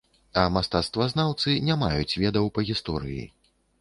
А мастацтвазнаўцы не маюць ведаў па гісторыі.